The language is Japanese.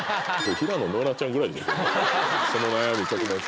平野ノラちゃんぐらいですよ